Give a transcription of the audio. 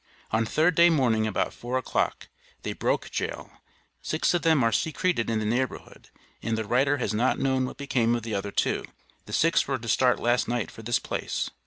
On third day morning about four o'clock, they broke jail; six of them are secreted in the neighborhood, and the writer has not known what became of the other two. The six were to start last night for this place.